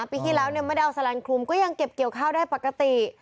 ปีที่แล้วไม่ได้เอาแลนคลุมก็ยังเก็บเกี่ยวข้าวได้ปกติ